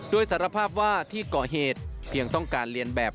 โดยสารภาพว่าที่ก่อเหตุเพียงต้องการเรียนแบบ